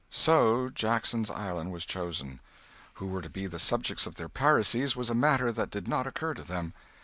So Jackson's Island was chosen. Who were to be the subjects of their piracies was a matter that did not occur to them.